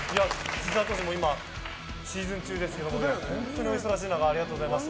木澤投手も今、シーズン中で本当にお忙しい中ありがとうございます。